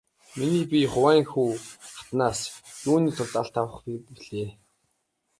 Миний бие Хуванхэхү хатнаас юуны тулд алт авах билээ?